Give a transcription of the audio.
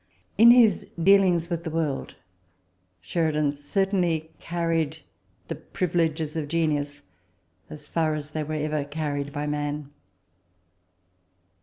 * In his dealings with the world, Sheridan certainly carried the privileges of genius as far as they were ever carried by man.